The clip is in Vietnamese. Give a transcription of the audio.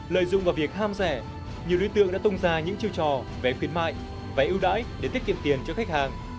lợi dụng vào việc ham rẻ nhiều đối tượng đã tung ra những chiêu trò vé khuyến mại vé ưu đãi để tiết kiệm tiền cho khách hàng